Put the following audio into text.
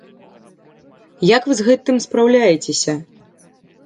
Як вы з гэтым спраўляецеся?